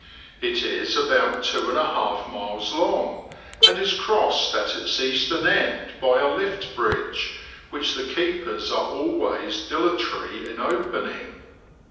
It is about two miles and a half long, and is crossed at its eastern end by a lift bridge, which the keepers are always dilatory in opening.